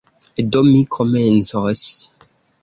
Do, mi komencos.